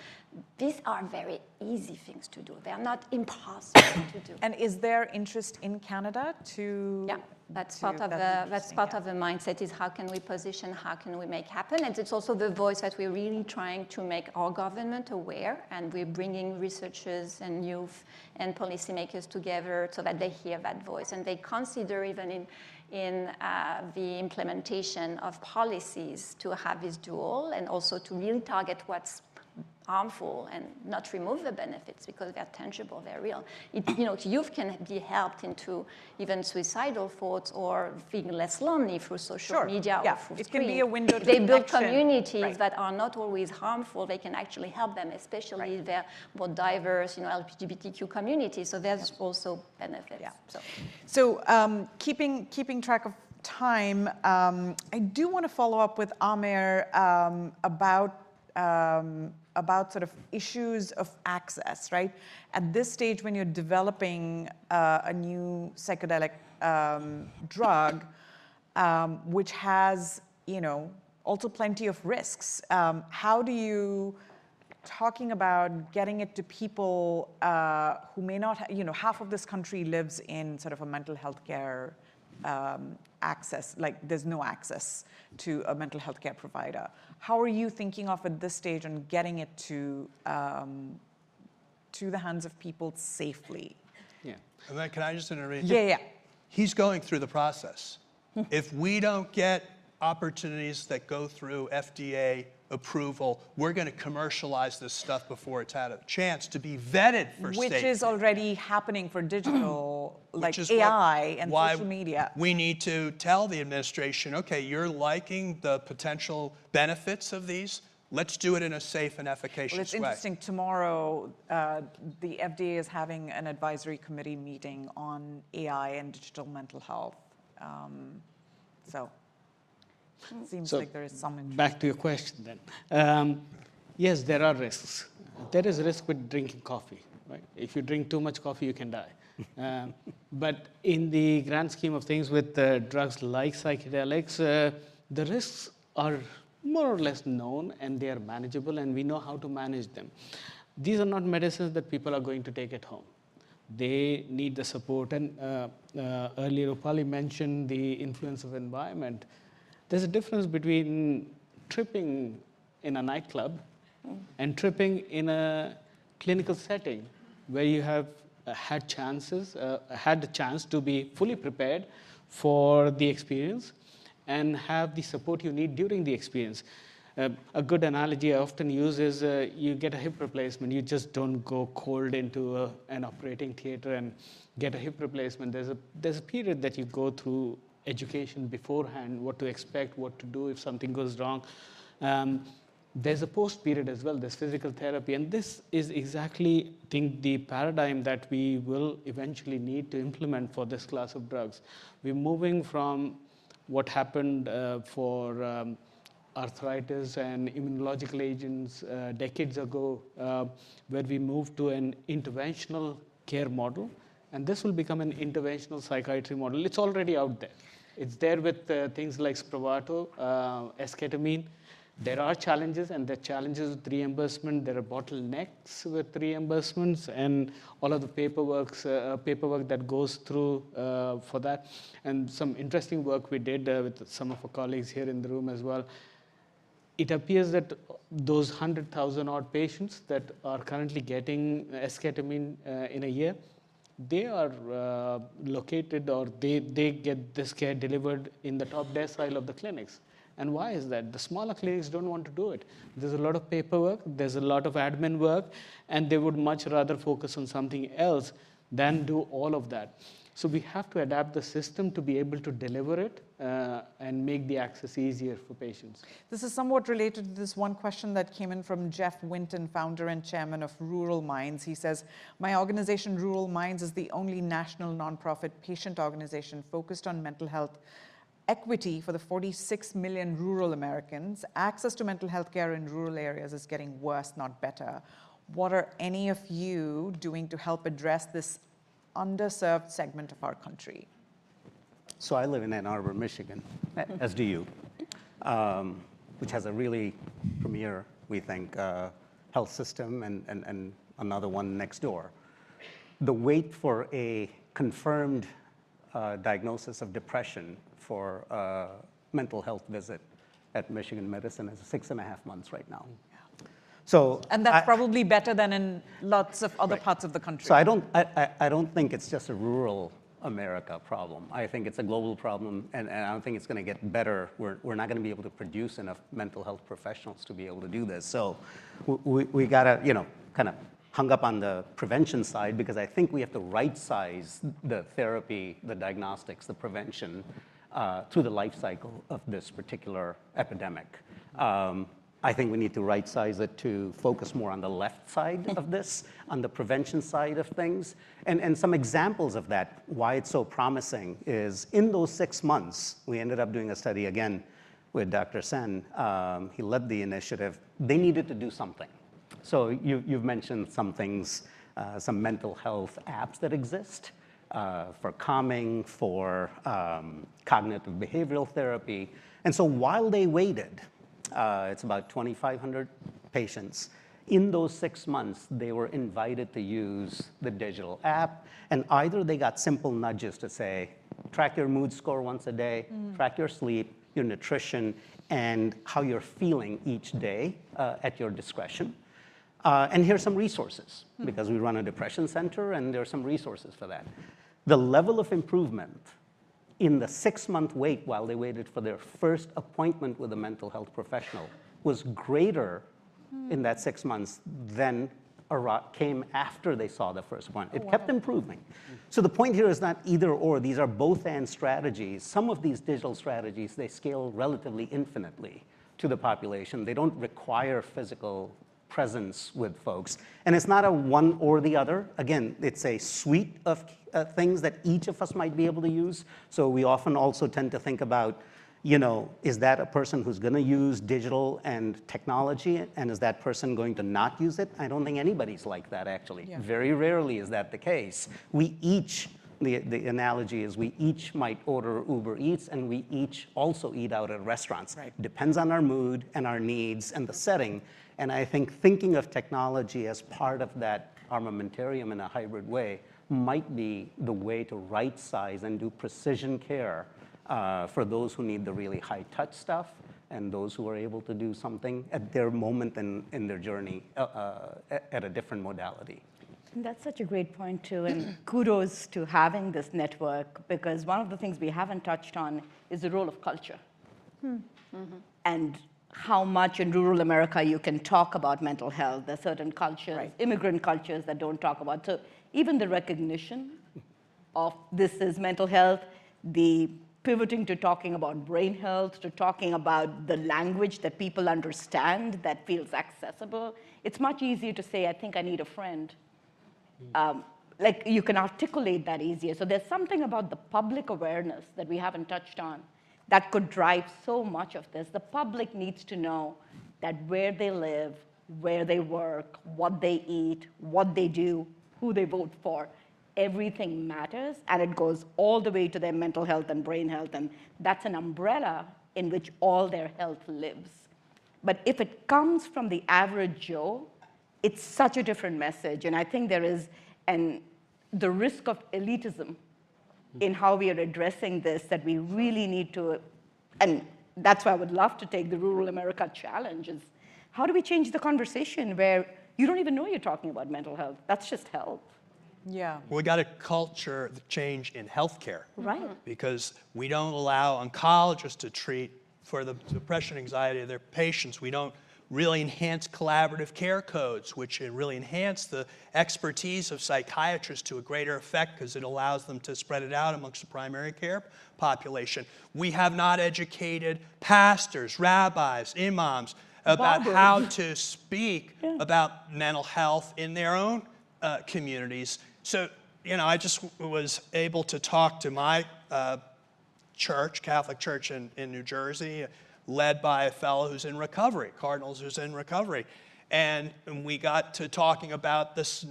These are very easy things to do. They are not impossible to do. Is there interest in Canada to? Yeah, that's part of the mindset is how can we position, how can we make happen. It's also the voice that we're really trying to make our government aware. We're bringing researchers and youth and policymakers together so that they hear that voice. They consider even in the implementation of policies to have this dual and also to really target what's harmful and not remove the benefits. Because they're tangible. They're real. Youth can be helped into even suicidal thoughts or feeling less lonely through social media or through screens. It can be a window to. They build communities that are not always harmful. They can actually help them, especially if they're more diverse, LGBTQ communities. There are also benefits. Keeping track of time, I do want to follow up with Amir about sort of issues of access. At this stage, when you're developing a new psychedelic drug, which has also plenty of risks, how do you, talking about getting it to people who may not, half of this country lives in sort of a mental health care access, like there's no access to a mental health care provider. How are you thinking of at this stage on getting it to the hands of people safely? Yeah. Can I just intervene? Yeah, yeah. He's going through the process. If we don't get opportunities that go through FDA approval, we're going to commercialize this stuff before it's had a chance to be vetted for safety. Which is already happening for digital, like AI and social media. We need to tell the administration, OK, you're liking the potential benefits of these. Let's do it in a safe and efficacious way. It's interesting. Tomorrow, the FDA is having an advisory committee meeting on AI and digital mental health. It seems like there is some interest. Back to your question then. Yes, there are risks. There is a risk with drinking coffee. If you drink too much coffee, you can die. In the grand scheme of things with drugs like psychedelics, the risks are more or less known. They are manageable. We know how to manage them. These are not medicines that people are going to take at home. They need the support. Earlier, Rupali mentioned the influence of the environment. There's a difference between tripping in a nightclub and tripping in a clinical setting where you have had the chance to be fully prepared for the experience and have the support you need during the experience. A good analogy I often use is you get a hip replacement. You just don't go cold into an operating theater and get a hip replacement. There's a period that you go through education beforehand, what to expect, what to do if something goes wrong. There's a post period as well. There's physical therapy. And this is exactly, I think, the paradigm that we will eventually need to implement for this class of drugs. We're moving from what happened for arthritis and immunological agents decades ago, where we moved to an interventional care model. This will become an interventional psychiatry model. It's already out there. It's there with things like Spravato, Esketamine. There are challenges. The challenges with reimbursement, there are bottlenecks with reimbursements and all of the paperwork that goes through for that. Some interesting work we did with some of our colleagues here in the room as well. It appears that those 100,000-odd patients that are currently getting Esketamine in a year, they are. Located or they get this care delivered in the top desk aisle of the clinics. Why is that? The smaller clinics do not want to do it. There is a lot of paperwork. There is a lot of admin work. They would much rather focus on something else than do all of that. We have to adapt the system to be able to deliver it and make the access easier for patients. This is somewhat related to this one question that came in from Jeff Winton, founder and chairman of Rural Minds. He says, my organization, Rural Minds, is the only national nonprofit patient organization focused on mental health equity for the 46 million rural Americans. Access to mental health care in rural areas is getting worse, not better. What are any of you doing to help address this underserved segment of our country? I live in Ann Arbor, Michigan, as do you. Which has a really premier, we think, health system and another one next door. The wait for a confirmed diagnosis of depression for a mental health visit at Michigan Medicine is six and a half months right now. That is probably better than in lots of other parts of the country. I do not think it is just a rural America problem. I think it is a global problem. I do not think it is going to get better. We are not going to be able to produce enough mental health professionals to be able to do this. We got kind of hung up on the prevention side because I think we have to right-size the therapy, the diagnostics, the prevention through the lifecycle of this particular epidemic. I think we need to right-size it to focus more on the left side of this, on the prevention side of things. Some examples of that, why it is so promising, is in those six months, we ended up doing a study again with Dr. Sen. He led the initiative. They needed to do something. You have mentioned some things, some mental health apps that exist, for calming, for cognitive behavioral therapy. While they waited, it is about 2,500 patients. In those six months, they were invited to use the digital app. Either they got simple nudges to say, track your mood score once a day, track your sleep, your nutrition, and how you are feeling each day at your discretion. Here are some resources. Because we run a depression center, there are some resources for that. The level of improvement in the six-month wait while they waited for their first appointment with a mental health professional was greater in that six months than came after they saw the first one. It kept improving. The point here is not either/or. These are both-and strategies. Some of these digital strategies scale relatively infinitely to the population. They do not require physical presence with folks. It is not a one or the other. Again, it's a suite of things that each of us might be able to use. We often also tend to think about, is that a person who's going to use digital and technology? Is that person going to not use it? I don't think anybody's like that, actually. Very rarely is that the case. The analogy is we each might order Uber Eats. We each also eat out at restaurants. It depends on our mood and our needs and the setting. I think thinking of technology as part of that armamentarium in a hybrid way might be the way to right-size and do precision care for those who need the really high-touch stuff and those who are able to do something at their moment in their journey, at a different modality. That is such a great point, too. Kudos to having this network. One of the things we have not touched on is the role of culture and how much in rural America you can talk about mental health. There are certain cultures, immigrant cultures, that do not talk about it. Even the recognition of this is mental health, the pivoting to talking about brain health, to talking about the language that people understand that feels accessible, it is much easier to say, I think I need a friend. You can articulate that easier. There is something about the public awareness that we have not touched on that could drive so much of this. The public needs to know that where they live, where they work, what they eat, what they do, who they vote for, everything matters. It goes all the way to their mental health and brain health. That is an umbrella in which all their health lives. If it comes from the average Joe, it is such a different message. I think there is the risk of elitism in how we are addressing this, that we really need to address. That is why I would love to take the Rural America challenge. How do we change the conversation where you do not even know you are talking about mental health? That is just health. Yeah. We got a culture change in health care. Because we do not allow oncologists to treat for the depression and anxiety of their patients. We do not really enhance collaborative care codes, which really enhance the expertise of psychiatrists to a greater effect. Because it allows them to spread it out amongst the primary care population. We have not educated pastors, rabbis, imams about how to speak about mental health in their own communities. I just was able to talk to my church, Catholic Church in New Jersey, led by a fellow who is in recovery, cardinals who is in recovery. We got to talking about this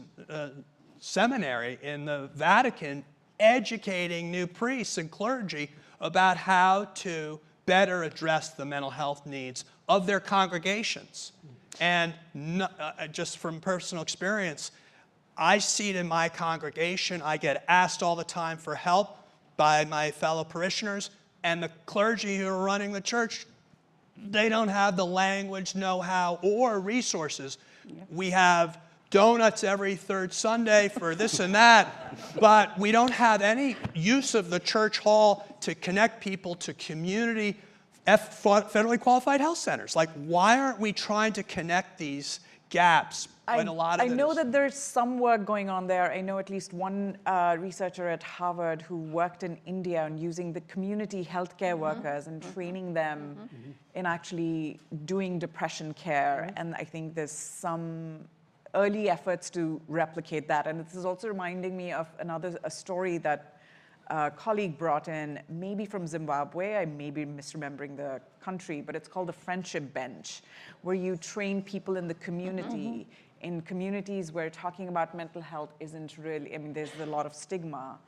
seminary in the Vatican educating new priests and clergy about how to better address the mental health needs of their congregations. Just from personal experience, I see it in my congregation. I get asked all the time for help by my fellow parishioners. The clergy who are running the church, they don't have the language, know-how, or resources. We have donuts every third Sunday for this and that. We don't have any use of the church hall to connect people to community. Federally qualified health centers. Like, why aren't we trying to connect these gaps when a lot of this. I know that there's somewhat going on there. I know at least one researcher at Harvard who worked in India on using the community health care workers and training them in actually doing depression care. I think there's some early efforts to replicate that. This is also reminding me of another story that a colleague brought in, maybe from Zimbabwe. I may be misremembering the country. It's called the Friendship Bench, where you train people in the community, in communities where talking about mental health isn't really, I mean, there's a lot of stigma.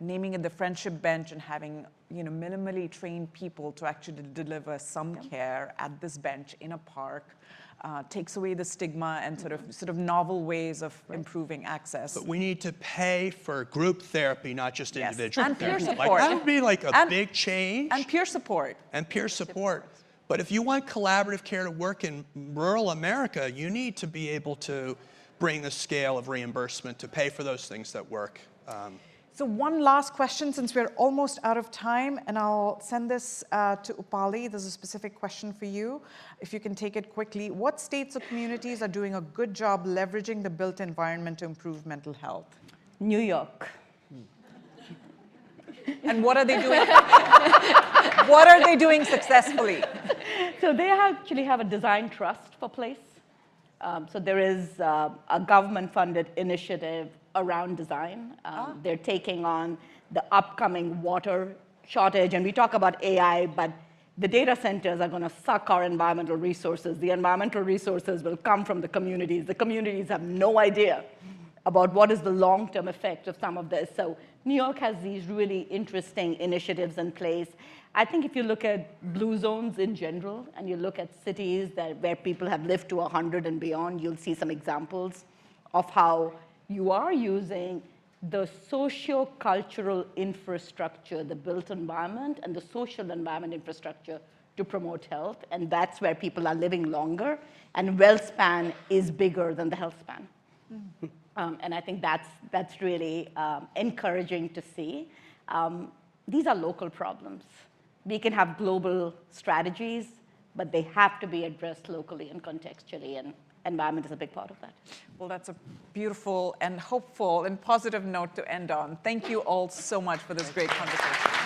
Naming it the Friendship Bench and having minimally trained people to actually deliver some care at this bench in a park takes away the stigma and sort of novel ways of improving access. We need to pay for group therapy, not just individual care. Peer support. That would be like a big change. Peer support. If you want collaborative care to work in rural America, you need to be able to bring a scale of reimbursement to pay for those things that work. One last question, since we're almost out of time. I'll send this to Rupali. There's a specific question for you, if you can take it quickly. What states or communities are doing a good job leveraging the built environment to improve mental health? New York. What are they doing? What are they doing successfully? They actually have a design trust for place. There is a government-funded initiative around design. They're taking on the upcoming water shortage. We talk about AI, but the data centers are going to suck our environmental resources. The environmental resources will come from the communities. The communities have no idea about what is the long-term effect of some of this. New York has these really interesting initiatives in place. I think if you look at blue zones in general and you look at cities where people have lived to 100 and beyond, you'll see some examples of how you are using the sociocultural infrastructure, the built environment, and the social environment infrastructure to promote health. That's where people are living longer. Well span is bigger than the health span. I think that's really encouraging to see. These are local problems. We can have global strategies. They have to be addressed locally and contextually. Environment is a big part of that. That's a beautiful and hopeful and positive note to end on. Thank you all so much for this great conversation.